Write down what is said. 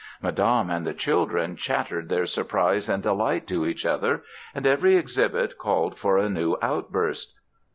Madame and the children chattered their surprise and delight to each other, and every exhibit called for a new outburst.